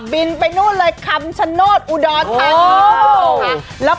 บินไปโน๊ดเลยคำชะโน่นอุดอททานี